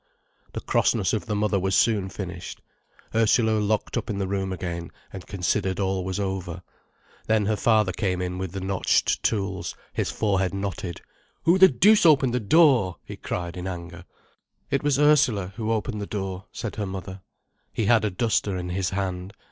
The crossness of the mother was soon finished. Ursula locked up the room again, and considered all was over. Then her father came in with the notched tools, his forehead knotted. "Who the deuce opened the door?" he cried in anger. "It was Ursula who opened the door," said her mother. He had a duster in his hand.